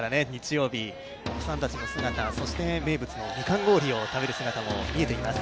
お子さんたちの姿、そして名物のみかん氷を食べる姿も見えています。